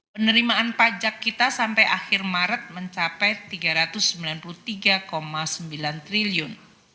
penerimaan pajak kita sampai akhir maret mencapai rp tiga ratus sembilan puluh tiga sembilan triliun